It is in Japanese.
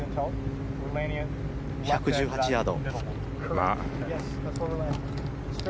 １１８ヤード。